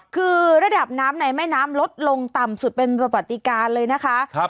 คือระดับน้ำในแม่น้ำลดลงต่ำสุดเป็นประวัติการเลยนะคะ